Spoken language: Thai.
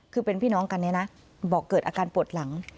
คือเป็นพี่น้องกันเนี่ยนะบอกเกิดอาการปวดหลัง